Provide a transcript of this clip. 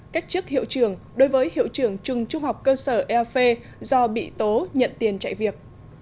cách chức hiệu trưởng đối với hiệu trưởng trường trung học cơ sở eofe do bị tố nhận tiền chạy việc